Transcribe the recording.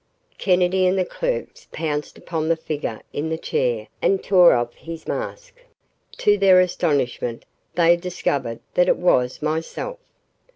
Kennedy and the clerks pounced upon the figure in the chair and tore off his mask. To their astonishment, they discovered that it was myself!